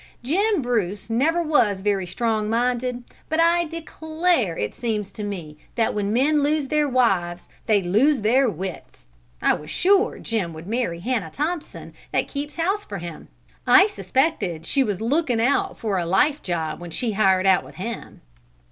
"Jim Bruce never was very strong minded, but I declare it seems to me that when men lose their wives, they lose their wits! I was sure Jim would marry Hannah Thompson that keeps house for him. I suspected she was lookin' out for a life job when she hired out with him."